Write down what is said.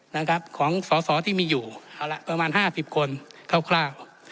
นะครับของสอสอที่มีอยู่เอาละประมาณห้าสิบคนคร่าว